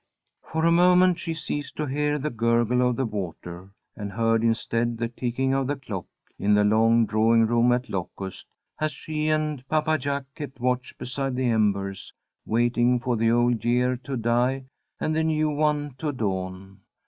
For a moment she ceased to hear the gurgle of the water, and heard instead the ticking of the clock in the long drawing room at Locust, as she and Papa Jack kept watch beside the embers, waiting for the old year to die and the new one to dawn.